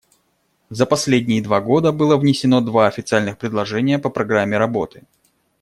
За последние два года было внесено два официальных предложения по программе работы.